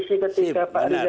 semua masyarakat yang menyaksikan